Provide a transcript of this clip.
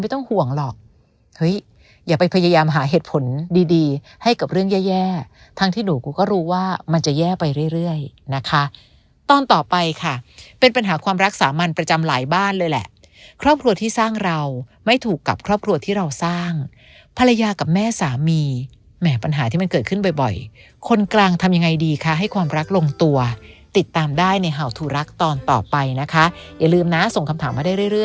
ทั้งที่หนูกูก็รู้ว่ามันจะแย่ไปเรื่อยเรื่อยนะคะตอนต่อไปค่ะเป็นปัญหาความรักสามันประจำหลายบ้านเลยแหละครอบครัวที่สร้างเราไม่ถูกกับครอบครัวที่เราสร้างภรรยากับแม่สามีแหมปัญหาที่มันเกิดขึ้นบ่อยบ่อยคนกลางทำยังไงดีคะให้ความรักลงตัวติดตามได้ในฮาวทูลักษณ์ตอนต่อไปนะคะอย่าลืมนะส่งคำถาม